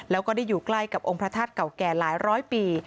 แล้วก็ได้อยู่ใกล้กับองค์พระธาตุเก่าแก่หลายร้อยปี